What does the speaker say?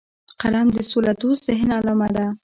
قلم د سولهدوست ذهن علامه ده